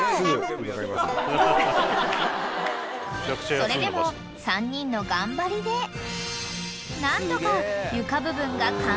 ［それでも３人の頑張りで何とか］